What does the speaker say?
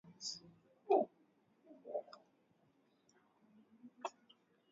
Mwana na Roho Mtakatifu Ni kwa jina lao kwamba mataifa